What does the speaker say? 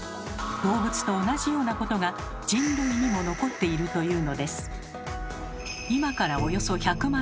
動物と同じようなことが人類にも残っているというのです。